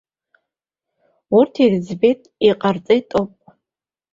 Урҭ ирыӡбеит иҟарҵеит ауп!